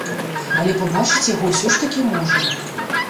Але пабачыць яго ўсё ж такі можна.